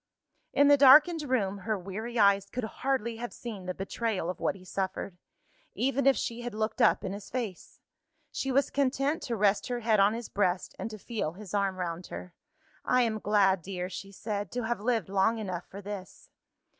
In the darkened room, her weary eyes could hardly have seen the betrayal of what he suffered even if she had looked up in his face. She was content to rest her head on his breast, and to feel his arm round her. "I am glad, dear," she said, "to have lived long enough for this."